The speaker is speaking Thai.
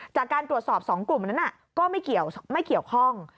จากการตรวจสอบ๒กลุ่มนั้นก็ไม่เกี่ยวข้อง